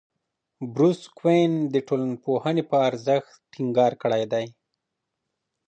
بروس کوئن د ټولنپوهنې په ارزښت ټینګار کړی دی.